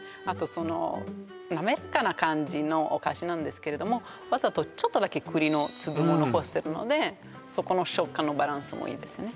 そのなめらかな感じのお菓子なんですけれどもわざとちょっとだけ栗の粒も残してるのでそこの食感のバランスもいいですよね